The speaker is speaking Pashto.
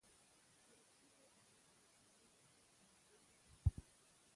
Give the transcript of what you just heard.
بدخشان د افغانستان د اقلیمي نظام ښکارندوی ده.